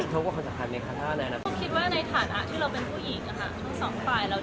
แต่จริงจะเป็นไผลขนาด